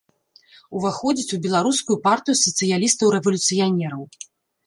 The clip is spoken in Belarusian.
Уваходзіць у беларускую партыю сацыялістаў-рэвалюцыянераў.